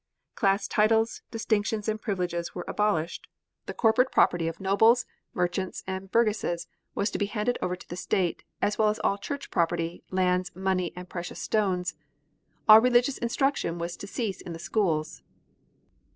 Class titles, distinctions and privileges were abolished; the corporate property of nobles, merchants and burgesses was to be handed over to the state, as was all church property, lands, money and precious stones; and religious instruction was to cease in the schools.